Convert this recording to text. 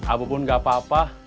abu bun gapapa